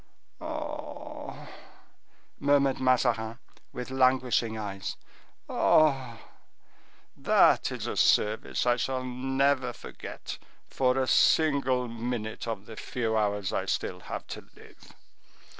"Ah!" murmured Mazarin, with languishing eyes, "ah! that is a service I shall never forget for a single minute of the few hours I still have to live."